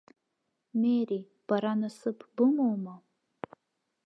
Мери, бара насыԥ бымоума?